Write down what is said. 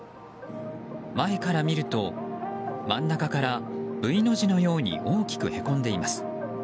前から見ると、真ん中からＶの字のように大きくへこんでいます。